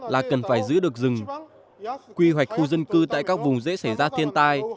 là cần phải giữ được rừng quy hoạch khu dân cư tại các vùng dễ xảy ra thiên tai